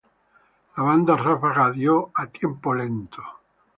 La Banda Ráfaga dio "A tiempo lento".